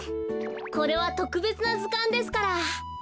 これはとくべつなずかんですから。